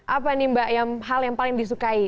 apa nih mbak hal yang paling disukai